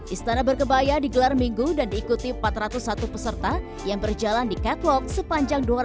istana berkebaya digelar minggu dan diikuti empat ratus satu peserta yang berjalan di catwalk sepanjang